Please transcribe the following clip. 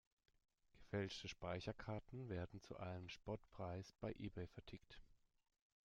Gefälschte Speicherkarten werden zu einem Spottpreis bei Ebay vertickt.